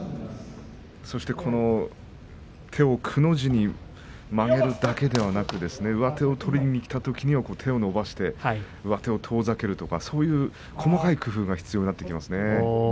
そして手をくの字に曲げるだけではなく上手を取りにきたときには手を伸ばして上手を遠ざけるとかそのような細かい工夫が必要ですね。